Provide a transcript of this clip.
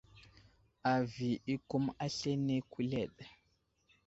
Avi i kum aslane kuleɗ.